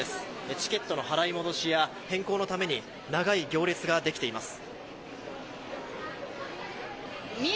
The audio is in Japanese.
チケットの払い戻しや変更のために長い行列ができています。